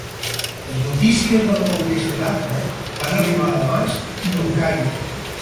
Los notícies de la conquesta d'Acre van arribar a Damasc i el Caire.